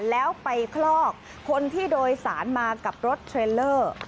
แล้วไปคลอกคนที่โดยสารมากับรถเทรลเลอร์